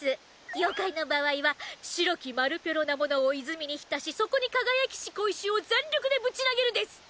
妖怪の場合は「白きマルピョロなものを泉に浸しそこに輝きし小石を全力でぶち投げる」です。